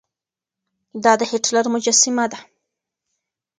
دا د هېټلر مجسمه ده.